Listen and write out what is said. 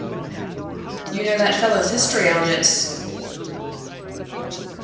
"You know that fellow's history, Aldous?"